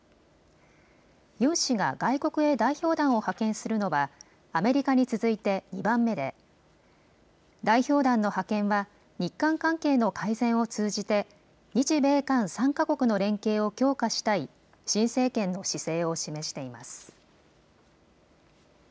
ユン氏が外国へ代表団を派遣するのはアメリカに続いて２番目で代表団の派遣は日韓関係の改善を通じて日米韓３か国の連携を強化したい新政権の姿勢を示しています。